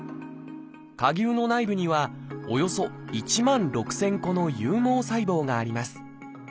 蝸牛の内部にはおよそ１万６，０００個の有毛細胞があります。